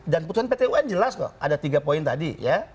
dan putusan pt un jelas kok ada tiga poin tadi ya